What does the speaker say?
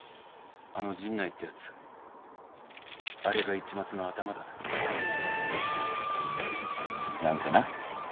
あの陣内ってやつあれが市松のアタマだぜ。なんてな。